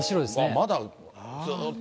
まだずーっと。